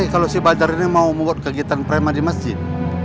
kalau si bajar ini mau membuat kegiatan prema di masjid